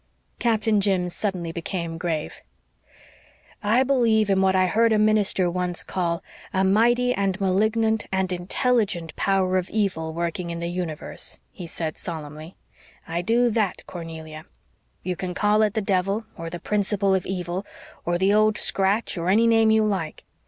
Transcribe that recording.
Captain Jim suddenly became grave. "I believe in what I heard a minister once call 'a mighty and malignant and INTELLIGENT power of evil working in the universe,'" he said solemnly. "I do THAT, Cornelia. You can call it the devil, or the 'principle of evil,' or the Old Scratch, or any name you like.